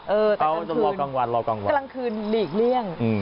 เออแต่กลางคืนกลางคืนหลีกเลี่ยง